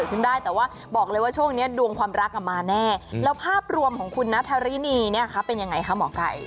แล้วภาพรวมของคุณนาธารินีเป็นยังไงคะหมอไก่